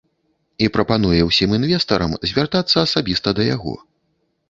І прапануе ўсім інвестарам звяртацца асабіста да яго.